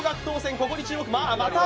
ここに注目です。